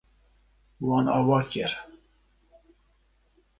Wan ava kir.